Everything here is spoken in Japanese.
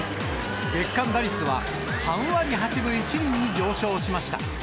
月間打率は３割８分１厘に上昇しました。